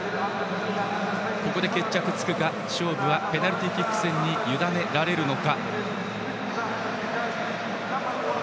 ここで決着がつくか勝負はペナルティーキック戦にゆだねられるのか。